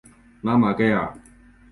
拉马盖尔。